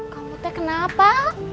kamu teh kenapa